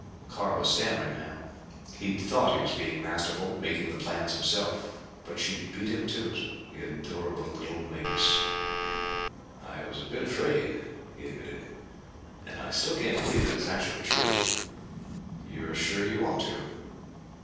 Carr was stammering now. He'd thought he was being masterful making the plans himself. But she'd beat him to it, the adorable little minx! "I was a bit afraid," he admitted; "and I still can't believe that it's actually true. You're sure you want to?"